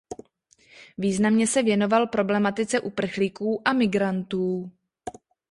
Významně se věnoval problematice uprchlíků a migrantů.